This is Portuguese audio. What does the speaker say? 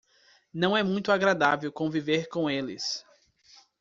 Não é muito agradável conviver com eles.